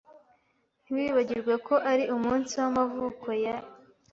Ntiwibagirwe ko ari umunsi w'amavuko ya .